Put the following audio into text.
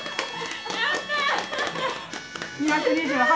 ２２８？